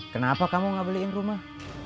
kenapa kamu gak beliin rumah